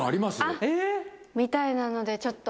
森川）みたいなのでちょっと。